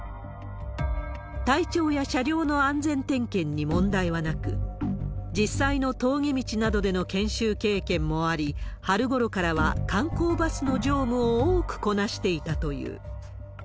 体調や車両の安全点検に問題はなく、実際の峠道などでの研修経験もあり、春ごろからは観光バスの乗務を多くこなしていたという。